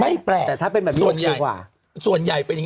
ไม่แปลกส่วนใหญ่